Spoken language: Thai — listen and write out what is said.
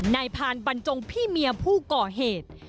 นายพานบรรจงพี่เมียผู้ก่อเหตุ